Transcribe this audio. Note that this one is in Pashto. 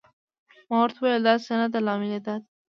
ما ورته وویل: داسې نه ده، لامل یې دا و.